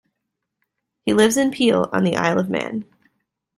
He lives in Peel on the Isle of Man.